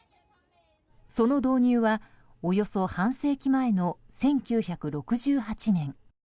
その導入はおよそ半世紀前の１９６８年。